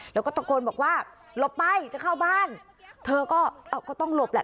แล้วก็ตะโกนบอกว่าหลบไปจะเข้าบ้านเธอก็เอาก็ต้องหลบแหละ